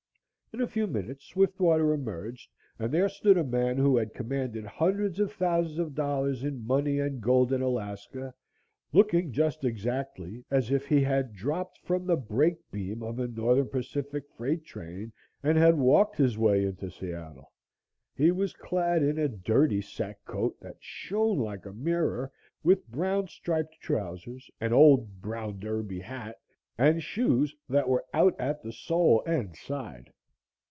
In a few minutes Swiftwater emerged and there stood a man who had commanded hundreds of thousands of dollars in money and gold in Alaska, looking just exactly as if he had dropped from the brake beam of a Northern Pacific freight train and had walked his way into Seattle. He was clad in a dirty sack coat, that shone like a mirror, with brown striped trousers, an old brown derby hat and shoes that were out at the sole and side.